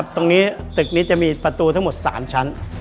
ตรงนี้ตึกนี้จะมีประตูทั้งหมด๓ชั้น